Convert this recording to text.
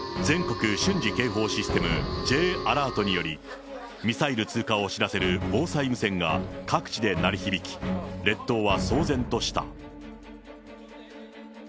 全国瞬時警報システム・Ｊアラートにより、ミサイル通過を知らせる防災無線が各地で鳴り響き、列島は騒然とした。